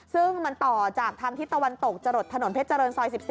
ซึ่งมันต่อจากทางทิศตะวันตกจรดถนนเพชรเจริญซอย๑๒